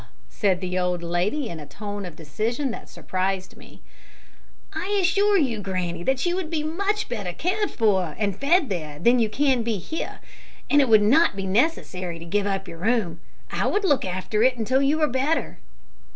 said the old lady, in a tone of decision that surprised me. "I assure you, granny, that you would be much better cared for and fed there than you can be here, and it would not be necessary to give up your room. I would look after it until you are better."